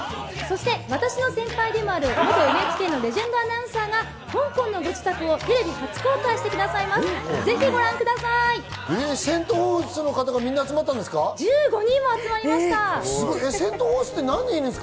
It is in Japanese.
私の先輩でもある元ＮＨＫのレジェンドアナウンサーが香港のご自宅をテレビで初公開してくださいます。